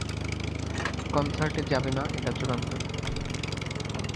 কনসার্টে যাবে না, এটা চূড়ান্ত সিদ্ধান্ত।